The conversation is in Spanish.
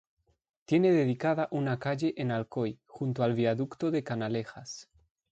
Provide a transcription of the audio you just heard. Tiene dedicada una calle en Alcoy, junto al viaducto de Canalejas.